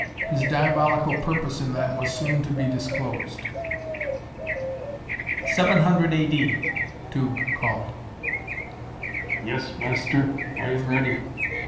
His diabolical purpose in that was soon to be disclosed. "700 A. D.," Tugh called. "Yes, Master. I am ready."